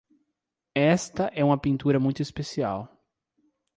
Esta é uma pintura muito especial